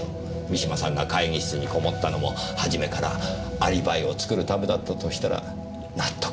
三島さんが会議室にこもったのも初めからアリバイを作るためだったとしたら納得がいきます。